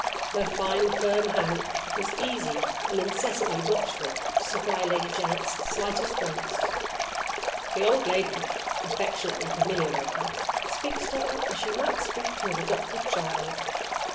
Her fine firm hand is easily and incessantly watchful to supply Lady Janet's slightest wants. The old lady affectionately familiar with her speaks to her as she might speak to an adopted child.